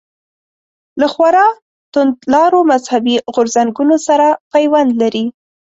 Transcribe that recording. له خورا توندلارو مذهبي غورځنګونو سره پیوند لري.